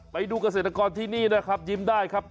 ไปดูเกษตรกรที่นี่ยิ้มได้ครับ